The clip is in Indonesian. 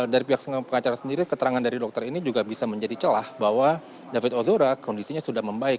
dan secara sendiri keterangan dari dokter ini juga bisa menjadi celah bahwa david ozora kondisinya sudah membaik